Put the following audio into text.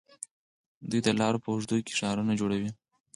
دوی د لارو په اوږدو کې ښارونه جوړوي.